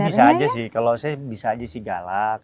bisa aja sih kalau saya bisa aja sih galak